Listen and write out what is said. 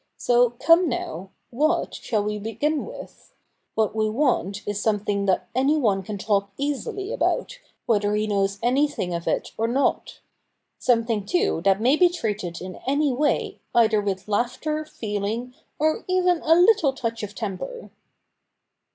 So come, now — what shall we begin with ? What we want is something that anyone can talk easily about, whether he knows anything of it or not — something, too, that may be treated in any way, either with laughter, feeling, or even a little touch of temper.'